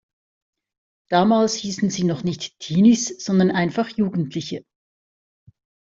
Damals hießen sie noch nicht Teenies sondern einfach Jugendliche.